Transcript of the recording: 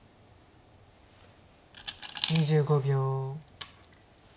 ２５秒。